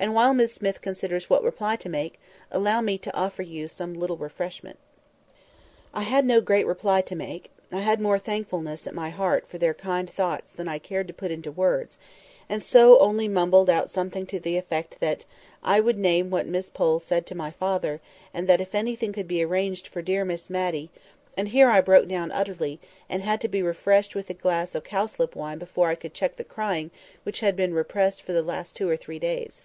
And while Miss Smith considers what reply to make, allow me to offer you some little refreshment." I had no great reply to make: I had more thankfulness at my heart for their kind thoughts than I cared to put into words; and so I only mumbled out something to the effect "that I would name what Miss Pole had said to my father, and that if anything could be arranged for dear Miss Matty,"—and here I broke down utterly, and had to be refreshed with a glass of cowslip wine before I could check the crying which had been repressed for the last two or three days.